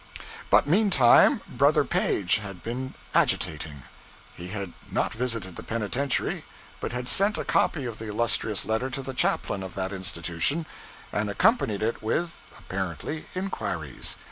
But meantime Brother Page had been agitating. He had not visited the penitentiary, but he had sent a copy of the illustrious letter to the chaplain of that institution, and accompanied it with apparently inquiries.